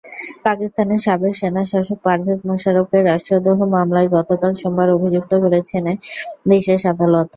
পাকিস্তানের সাবেক সেনাশাসক পারভেজ মোশাররফকে রাষ্ট্রদ্রোহ মামলায় গতকাল সোমবার অভিযুক্ত করেছেনে বিশেষ আদালত।